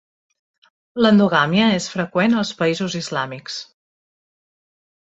L'endogàmia és freqüent als països islàmics.